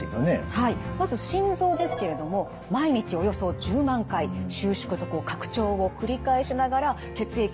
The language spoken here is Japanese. はいまず心臓ですけれども毎日およそ１０万回収縮と拡張を繰り返しながら血液を全身に送り出しています。